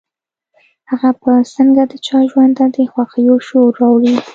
هغه به څنګه د چا ژوند ته د خوښيو شور راوړي.